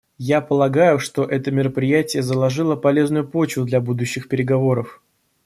Я полагаю, что это мероприятие заложило полезную почву для будущих переговоров.